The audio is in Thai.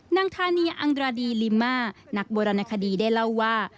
นางธานีอังราดีลิมานักโบราณคดีได้เล่าว่า